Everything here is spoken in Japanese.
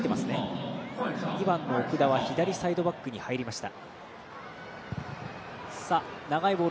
奥田、左サイドバックに入りました。